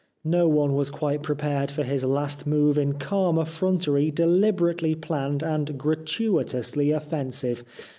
No one was quite prepared for his last move in calm effrontery, deliberately planned and gratuitously offensive.